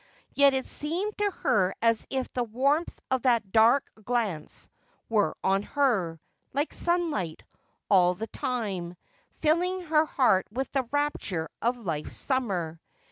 Yet it seemed to her as if the warmth of that dark glance were on her, like sunlight, all the time, filling her heart with the rapture of life's summer.